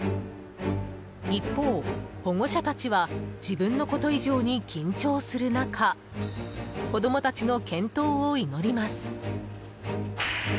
一方、保護者たちは自分のこと以上に緊張する中子供たちの健闘を祈ります。